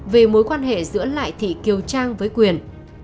về mối quan hệ giữa lại thị kiều trang với quyền